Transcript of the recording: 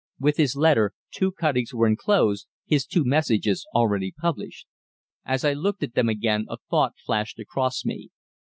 With his letter two cuttings were enclosed his two messages already published. As I looked at them again a thought flashed across me.